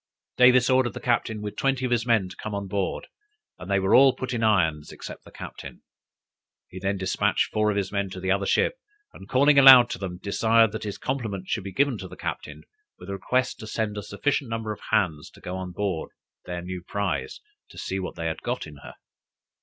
Davis ordered the captain with twenty of his men to come on board, and they were all put in irons except the captain. He then despatched four of his men to the other ship, and calling aloud to them, desired that his compliments should be given to the captain, with a request to send a sufficient number of hands to go on board their new prize, to see what they had got in her.